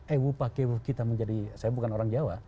ewu pakewu kita menjadi saya bukan orang jawa